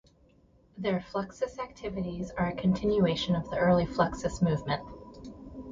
Their Fluxus-activities are a continuation of the early Fluxus-movement.